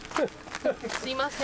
すいません。